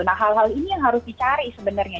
nah hal hal ini yang harus dicari sebenarnya